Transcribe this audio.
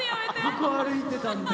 向こう歩いてたんで。